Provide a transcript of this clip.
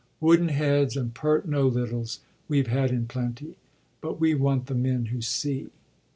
Wooden heads, and pert know littles, .we 've had in plenty. But we want the men who see.